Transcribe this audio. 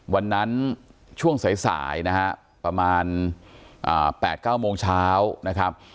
วันนั้นช่วงสายนะฮะประมาณ๘๙โมงเช้านะครับ